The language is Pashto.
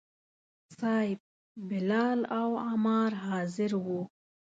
صیب، بلال او عمار حاضر وو.